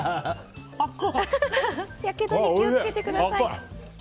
やけどに気を付けてください。